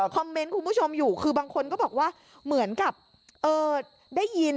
เมนต์คุณผู้ชมอยู่คือบางคนก็บอกว่าเหมือนกับได้ยิน